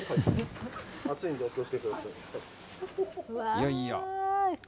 いやいや。